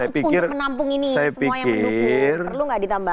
untuk menampung ini semua yang mendukung perlu nggak ditambah